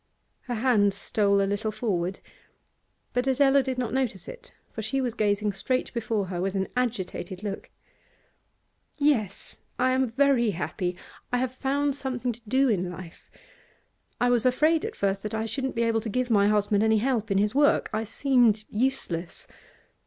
Her hands stole a little forward, but Adela did not notice it; for she was gazing straight before her, with an agitated look. 'Yes, I am very happy, I have found something to do in life. I was afraid at first that I shouldn't be able to give my husband any help in his work; I seemed useless.